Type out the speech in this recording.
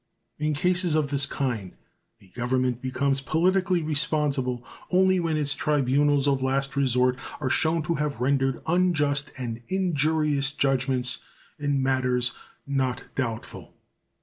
In cases of this kind a government becomes politically responsible only when its tribunals of last resort are shown to have rendered unjust and injurious judgments in matters not doubtful.